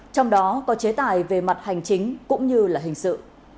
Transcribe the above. trong đó có chế tài về mặt hành chính cũng như là hình sự